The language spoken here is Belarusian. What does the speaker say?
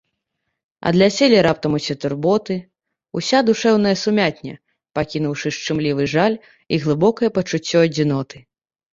Адляцелі раптам усе турботы, уся душэўная сумятня, пакінуўшы шчымлівы жаль і глыбокае пачуццё адзіноты.